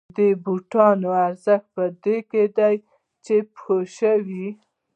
د بوټانو ارزښت په دې کې دی چې په پښو شي